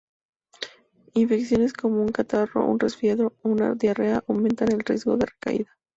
Infecciones como un catarro, un resfriado o una diarrea aumentan el riesgo de recaída.